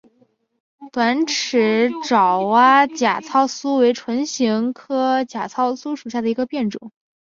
短齿爪哇假糙苏为唇形科假糙苏属下的一个变种。